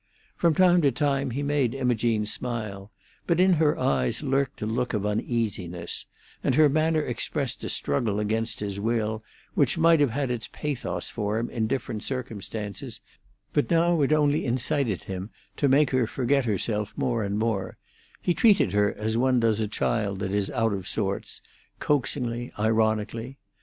From time to time he made Imogene smile, but in her eyes lurked a look of uneasiness, and her manner expressed a struggle against his will which might have had its pathos for him in different circumstances, but now it only incited him to make her forget herself more and more; he treated her as one does a child that is out of sorts—coaxingly, ironically.